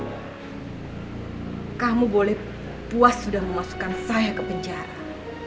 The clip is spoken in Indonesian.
karena kamu boleh puas sudah memasukkan saya ke penjara